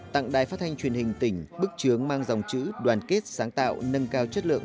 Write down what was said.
tặng đài phát thanh truyền hình tỉnh bức chướng mang dòng chữ đoàn kết sáng tạo nâng cao chất lượng